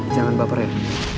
jangan baper ya